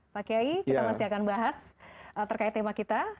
pak kiai kita masih akan bahas terkait tema kita